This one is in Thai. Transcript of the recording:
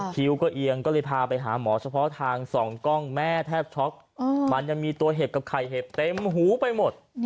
คิวก็เอียงก็เลยพาไปหาหมอเฉพาะทาง๒กล้องแม่แทบช็อกมันยังมีตัวเห็บกับไข่เห็บเต็มหูไปหมด